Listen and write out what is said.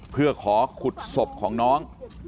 เพื่อขอขุดศพของน้อง